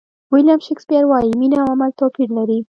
ویلیام شکسپیر وایي مینه او عمل توپیر لري.